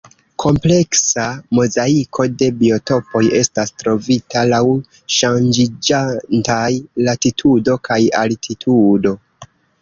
Kompleksa mozaiko de biotopoj estas trovita laŭ ŝanĝiĝantaj latitudo kaj altitudo.